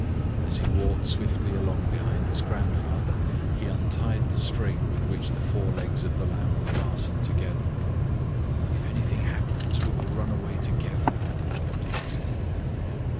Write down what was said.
As he walked swiftly along behind his grandfather, he untied the string with which the four legs of the lamb were fastened together. "If anything happens we will run away together," he thought.